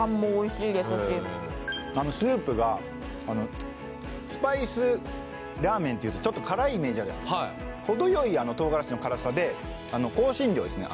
スープがスパイスラーメンっていうとちょっと辛いイメージあるじゃないですか程よい唐辛子の辛さで香辛料ですね